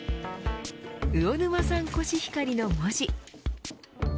魚沼産コシヒカリの文字。